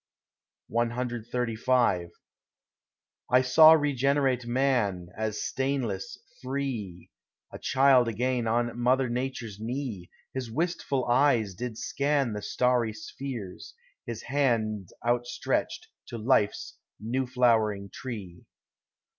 CXXXV I saw regenerate Man, as stainless, free— A child again on mother Nature's knee; His wistful eyes did scan the starry spheres, His hand outstretched to life's new flowering tree.